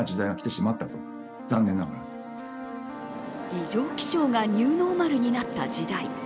異常気象がニューノーマルになった時代。